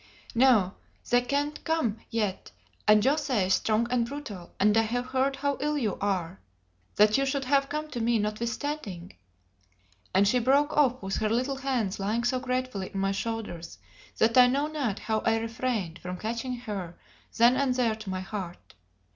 "No; they can't come yet, and José is strong and brutal, and I have heard how ill you are. That you should have come to me notwithstanding " and she broke off with her little hands lying so gratefully on my shoulders, that I know not how I refrained from catching her then and there to my heart.